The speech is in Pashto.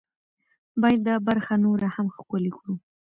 باید دا برخه نوره هم ښکلې کړو.